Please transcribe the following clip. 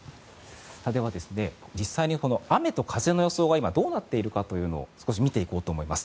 実際に雨と風の予想がどうなっているかを少し見ていこうと思います。